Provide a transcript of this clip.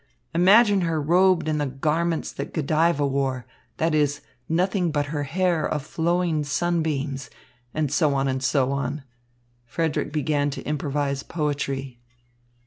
Imagine her robed in the garments that Godiva wore, that is, nothing but her hair of flowing sunbeams, and so on, and so on." Frederick began to improvise poetry.